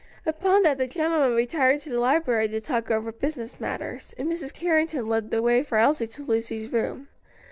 Upon that the gentlemen retired to the library to talk over business matters, and Mrs. Carrington led the way for Elsie to Lucy's room.